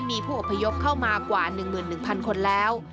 มีผู้อพยพเข้ามากว่า๑๑๐๐คนแล้ว